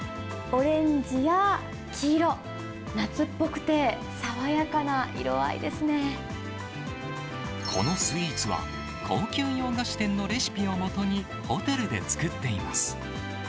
オレンジや黄色、このスイーツは、高級洋菓子店のレシピを基に、ホテルで作っています。